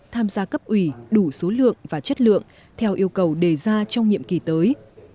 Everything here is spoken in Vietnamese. tham gia cấp ủy đủ số lượng và chất lượng theo yêu cầu đề ra trong nhiệm kỳ tới